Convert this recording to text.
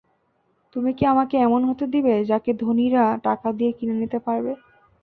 তুমি কি আমাকে এমন হতে দিবে যাকে ধনীরা টাকা দিয়ে কিনে নিতে পারবে?